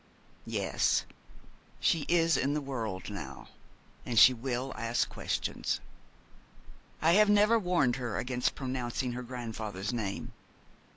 'Yes, she is in the world now, and she will ask questions. I have never warned her against pronouncing her grandfather's name.